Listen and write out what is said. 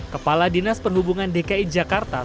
kepala dinas perhubungan dki jakarta